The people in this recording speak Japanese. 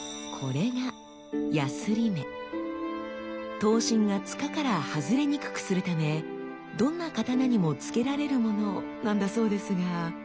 刀身が柄から外れにくくするためどんな刀にもつけられるものなんだそうですが。